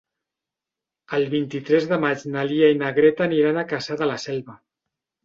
El vint-i-tres de maig na Lia i na Greta aniran a Cassà de la Selva.